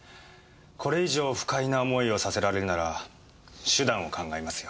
これ以上不快な思いをさせられるなら手段を考えますよ。